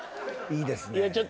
いいですね。